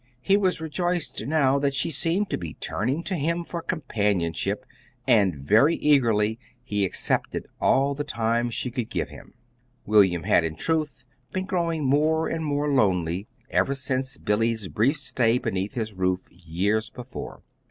He was rejoiced now that she seemed to be turning to him for companionship; and very eagerly he accepted all the time she could give him. William had, in truth, been growing more and more lonely ever since Billy's brief stay beneath his roof years before.